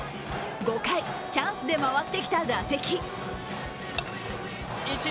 ５回、チャンスで回ってきた打席。